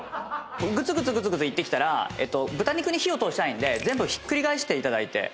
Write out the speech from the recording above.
グツグツグツグツいってきたら豚肉に火を通したいんで全部ひっくり返していただいて。